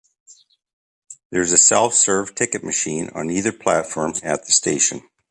There is a self-serve ticket machine on either platform at the station.